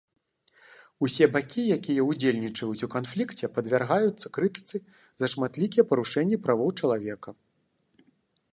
Усе бакі, якія ўдзельнічаюць у канфлікце, падвяргаюцца крытыцы за шматлікія парушэнні правоў чалавека.